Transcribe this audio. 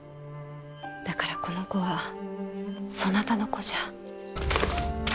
だからこの子はそなたの子じゃ。